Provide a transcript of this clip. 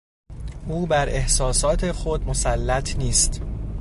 او بر احساسات خود مسلط نیست.